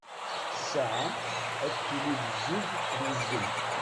Ssaɛa ad tili d zzuǧ d uzgen.